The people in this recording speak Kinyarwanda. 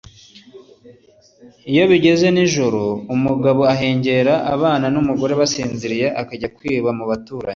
Iyo bigeze nijoro umugabo ahengera abana n’umugore basinziriye akajya kwiba mubaturanyi